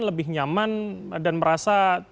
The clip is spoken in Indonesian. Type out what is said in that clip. lebih nyaman dan merasa